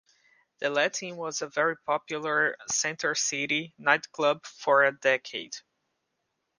The Latin was a very popular Center City nightclub for a decade.